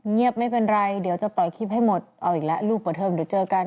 เงียบไม่เป็นไรเดี๋ยวจะปล่อยคลิปให้หมดเอาอีกแล้วลูกเปิดเทอมเดี๋ยวเจอกัน